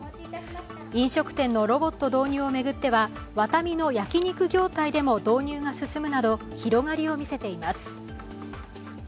飲食店のロボット導入をめぐっては、ワタミの焼肉業態でも導入が進むなど広がりを見せています。